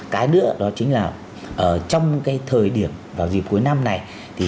cái nữa đó chính là trong thời điểm vào dịp cuối năm này